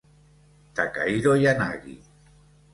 Takahiro Yanagi